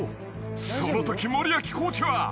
［そのとき森脇コーチは！？］